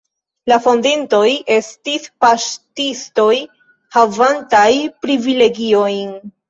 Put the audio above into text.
La fondintoj estis paŝtistoj havantaj privilegiojn.